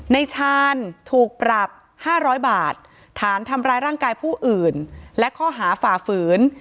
ชาญถูกปรับ๕๐๐บาทฐานทำร้ายร่างกายผู้อื่นและข้อหาฝ่าฝืน